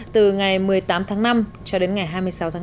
từ ngày một mươi tám tháng năm cho đến ngày hai mươi sáu tháng chín